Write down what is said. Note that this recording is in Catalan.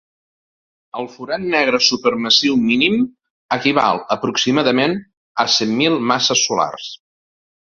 El forat negre supermassiu mínim equival aproximadament a cent mil masses solars.